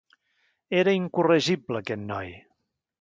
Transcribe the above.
Era incorregible, aquest noi!